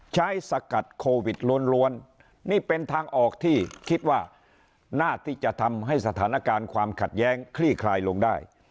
สกัดโควิดล้วนนี่เป็นทางออกที่คิดว่าน่าที่จะทำให้สถานการณ์ความขัดแย้งคลี่คลายลงได้